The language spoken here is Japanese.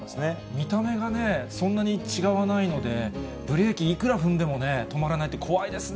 見た目がね、そんなに違わないので、ブレーキ、いくら踏んでもね、止まらないって怖いですね。